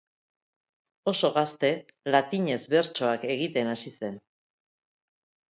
Oso gazte latinez bertsoak egiten hasi zen.